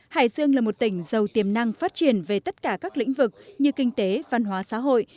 hải dương là một tỉnh giàu tiềm năng phát triển về tất cả các lĩnh vực như kinh tế văn hóa xã hội